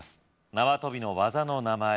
縄跳びの技の名前